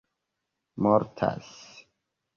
mortas